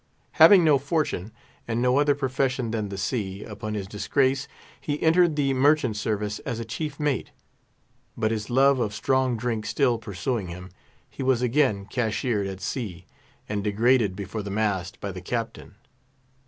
Having no fortune, and no other profession than the sea, upon his disgrace he entered the merchant service as a chief mate; but his love of strong drink still pursuing him, he was again cashiered at sea, and degraded before the mast by the Captain.